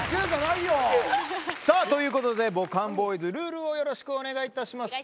ということでボカーンボーイズルールをよろしくお願いします。